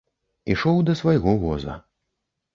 Ішоў да свайго воза.